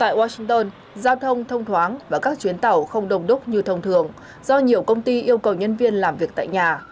tại washington giao thông thông thoáng và các chuyến tàu không đông đúc như thông thường do nhiều công ty yêu cầu nhân viên làm việc tại nhà